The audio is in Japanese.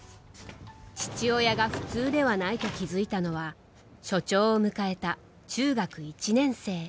父親が普通ではないと気付いたのは初潮を迎えた中学１年生。